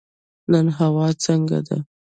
نن هوا څنګه ده؟